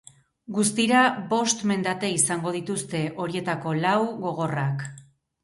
Guztira bost mendate izango dituzte, horietako lau gogorrak.